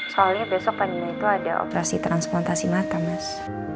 soalnya besok paginya itu ada operasi transplantasi mata mas